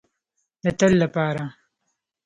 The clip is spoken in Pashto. د تل لپاره.